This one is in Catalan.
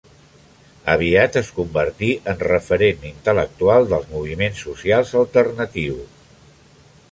Aviat es convertí en referent intel·lectual dels moviments socials alternatius.